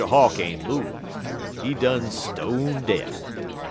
Hawk ain't move. He done stone dead.